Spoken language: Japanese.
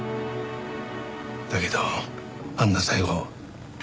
だけどあんな最期。